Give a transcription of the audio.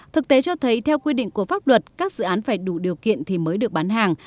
thực tế cho thấy theo quy định của pháp luật các dự án phải đủ điều kiện thì mới được bán hàng